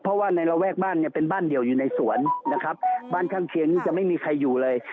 เพราะว่าในระแวกบ้านเนี่ยเป็นบ้านเดี่ยวอยู่ในสวนนะครับบ้านข้างเคียงนี่จะไม่มีใครอยู่เลย